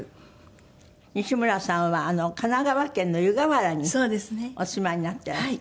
西村さんは神奈川県の湯河原にお住まいになっていらして。